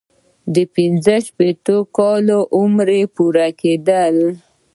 د پنځه شپیتو کلونو عمر پوره کیدل.